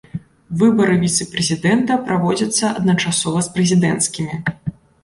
Выбары віцэ-прэзідэнта праводзяцца адначасова з прэзідэнцкімі.